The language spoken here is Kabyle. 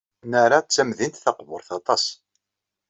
Nara d tamdint taqburt aṭas.